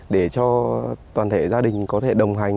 để cho toàn thể gia đình có thể đồng hành